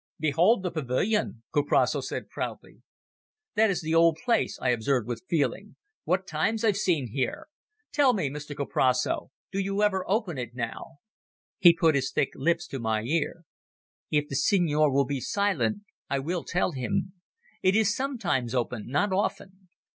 "Behold the Pavilion," Kuprasso said proudly. "That is the old place," I observed with feeling. "What times I've seen there! Tell me, Mr Kuprasso, do you ever open it now?" He put his thick lips to my ear. "If the Signor will be silent I will tell him. It is sometimes open—not often.